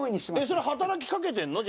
それ働きかけてるの？